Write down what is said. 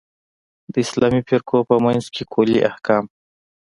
د اسلامي فرقو په منځ کې کُلي احکام.